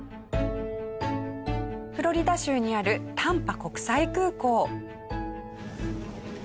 フロリダ州にあるタンパ国際空港。